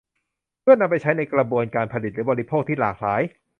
เพื่อนำไปใช้ในกระบวนการผลิตหรือบริโภคที่หลากหลาย